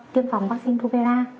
tiêm phòng vắc xin rubella